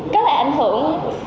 cái này ảnh hưởng